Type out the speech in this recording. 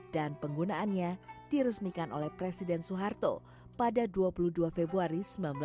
dan penggunaannya diresmikan oleh presiden soeharto pada dua puluh dua februari seribu sembilan ratus tujuh puluh delapan